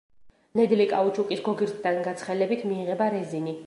ნედლი კაუჩუკის გოგირდთან გაცხელებით მიიღება რეზინი.